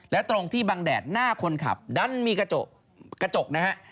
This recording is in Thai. และตรงที่บังแดดหน้าคนขับดันมีกระจกนะฮะ